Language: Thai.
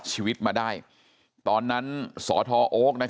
ทำให้สัมภาษณ์อะไรต่างนานไปออกรายการเยอะแยะไปหมด